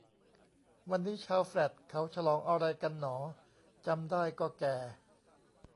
วันนี้ชาวแฟลตเขาฉลองอะไรกันหนอ จำได้ก็แก่